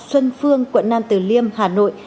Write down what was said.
xuân phương quận nam từ liêm hà nội